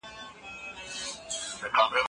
غریبانو ته زکات ورکول کیږي.